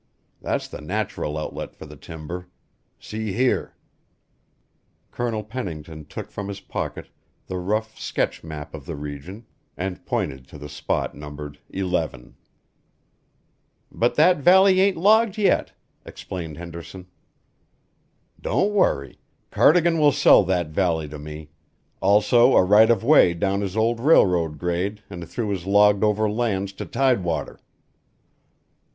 That's the natural outlet for the timber. See here:" [graphic] Colonel Pennington took from his pocket the rough sketch map of the region which we have reproduced herewith and pointed to the spot numbered "11." "But that valley ain't logged yet," explained Henderson. "Don't worry. Cardigan will sell that valley to me also a right of way down his old railroad grade and through his logged over lands to tidewater."